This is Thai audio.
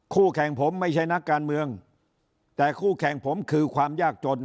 คู่แข่งผมไม่ใช่นักการเมืองแต่คู่แข่งผมคือความยากจน